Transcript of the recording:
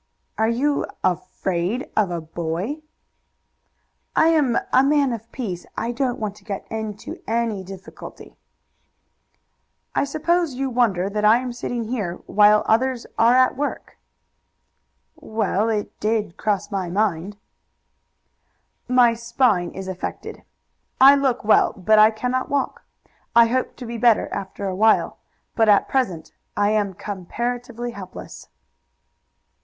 "Are you afraid of a boy?" "I am a man of peace. I don't want to get into any difficulty." "I suppose you wonder that I am sitting here while others are at work." "Well, it did cross my mind." "My spine is affected. I look well, but I cannot walk. I hope to be better after a while, but at present I am comparatively helpless."